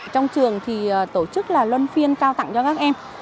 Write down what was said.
trong trường thì tổ chức là luân phiên trao tặng cho các em